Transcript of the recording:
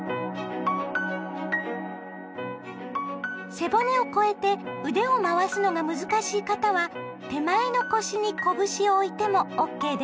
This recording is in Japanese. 背骨を越えて腕を回すのが難しい方は手前の腰に拳を置いてもＯＫですよ。